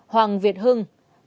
hai hoàng việt hưng